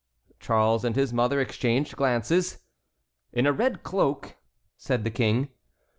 Charles and his mother exchanged glances. "In a red cloak?" said the King.